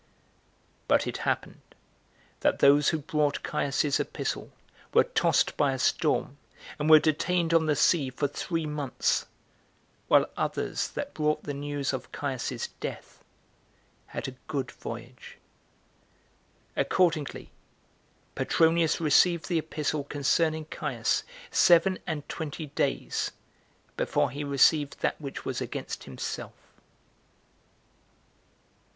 But it happened that those who brought Caius's epistle were tossed by a storm, and were detained on the sea for three months, while others that brought the news of Caius's death had a good voyage. Accordingly, Petronins received the epistle concerning Caius seven and twenty days before he received that which was against himself.